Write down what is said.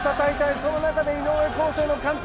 その中で井上康生監督